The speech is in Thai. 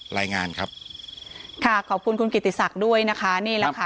รายงานครับค่ะขอบคุณคุณกิติศักดิ์ด้วยนะคะนี่แหละค่ะ